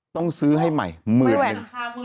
ต้องซื้อให้ใหม่หมื่นนึง